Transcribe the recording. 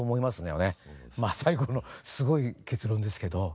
まあ最後のすごい結論ですけど。